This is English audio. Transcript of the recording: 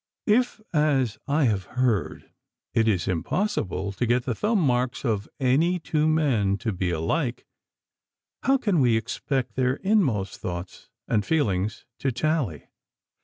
If, as I have heard, it is impossible to get the thumb marks of any two men to be alike, how can we expect their inmost thoughts and feelings to tally?